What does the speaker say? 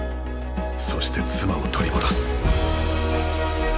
そして妻を取り戻す。